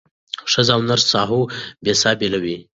ښځه او نر ساهو او بې ساه بېلول